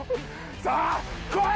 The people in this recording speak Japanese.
さあこい！